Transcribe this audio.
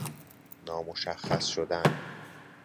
نامشخص شدن